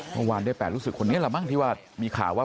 เมื่อวานได้แปลงรู้สึกว่านี่แหละมั่งที่มีข่าวว่า